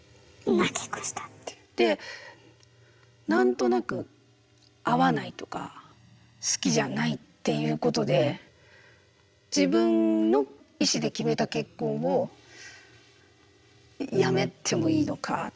で何となく合わないとか好きじゃないっていうことで自分の意思で決めた結婚をやめてもいいのか。